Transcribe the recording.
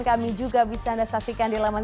kami juga bisa anda saksikan di laman